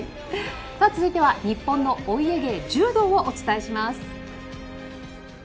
続いては日本のお家芸柔道をお伝えします。